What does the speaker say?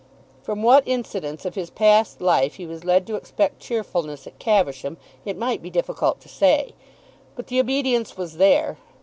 From what incidents of his past life he was led to expect cheerfulness at Caversham it might be difficult to say; but the obedience was there.